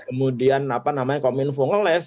kemudian apa namanya kominfo nge list